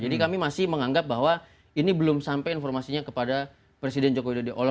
jadi kami masih menganggap bahwa ini belum sampai informasinya kepada presiden jokowi dodo